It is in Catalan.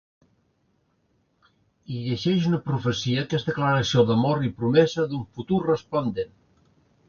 Hi llegeix una profecia que és declaració d'amor i promesa d'un futur resplendent.